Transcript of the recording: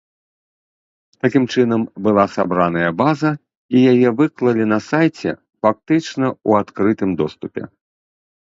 Такім чынам была сабраная база і яе выклалі на сайце фактычна ў адкрытым доступе.